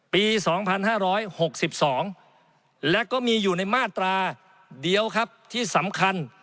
ปี๒๕๖๒และก็มีอยู่ในมาตราเดียวครับที่สำคัญ